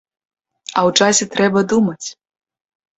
А ў джазе трэба думаць!